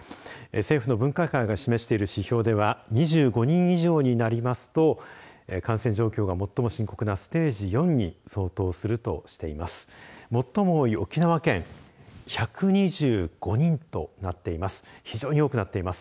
政府の分科会が示している指標では２５人以上になりますと感染状況が最も深刻なステージ４に相当するとしています。